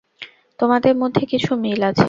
তোমাদের মধ্যে কিছু মিল আছে।